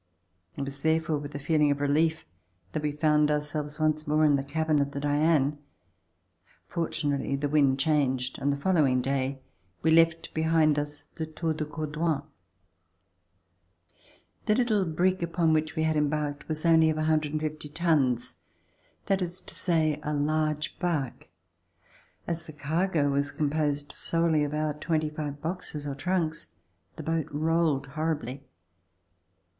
It was therefore with a feel ing of relief that we found ourselves once more in the cabin of the *' Diane." Fortunately the wind changed and the following day we left behind us the Tour de Cordouan. The little brig upon which we had embarked was only of 150 tons, that is to say a large bark. As the cargo was composed solely of our twenty five boxes or trunks, the boat rolled horribly.